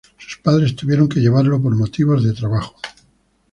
Sus padres tuvieron que llevarlo por motivos de trabajo.